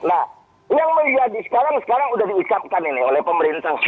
nah yang menjadi sekarang sekarang sudah diucapkan ini oleh pemerintah